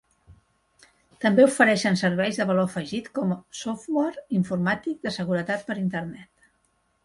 També ofereixen serveis de valor afegit com software informàtic de seguretat per Internet.